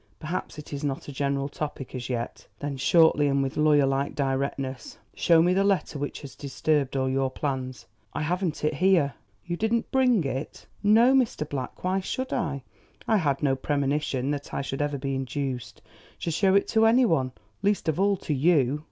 Perhaps it is not a general topic as yet." Then shortly and with lawyer like directness, "Show me the letter which has disturbed all your plans." "I haven't it here." "You didn't bring it?" "No, Mr. Black. Why should I? I had no premonition that I should ever be induced to show it to any one, least of all to you."